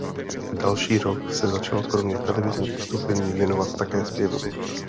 Další rok se začal kromě televizních vystoupení věnovat také zpěvu.